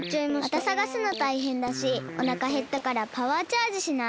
またさがすのたいへんだしおなかへったからパワーチャージしない？